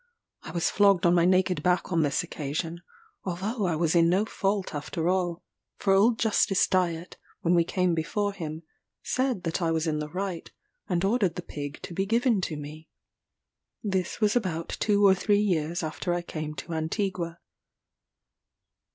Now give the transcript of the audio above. I was flogged on my naked back on this occasion: although I was in no fault after all; for old Justice Dyett, when we came before him, said that I was in the right, and ordered the pig to be given to me. This was about two or three years after I came to Antigua.